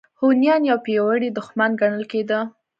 هونیان یو پیاوړی دښمن ګڼل کېده.